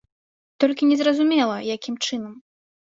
Толькі незразумела, якім чынам.